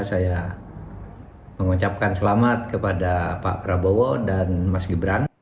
saya mengucapkan selamat kepada pak prabowo dan mas gibran